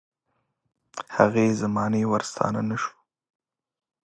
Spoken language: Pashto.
هغې زمانې ورستانه نه شو.